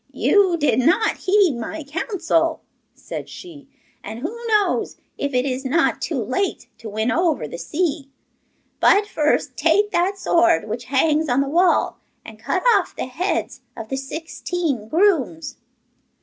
'You did not heed my counsel,' said she; 'and who knows if it is not too late to win over the sea? But first take that sword which hangs on the wall, and cut off the heads of the sixteen grooms.